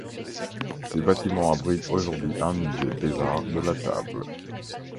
Ses bâtiments abritent aujourd'hui un musée des arts de la table.